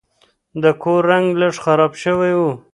د کور رنګ لږ خراب شوی و.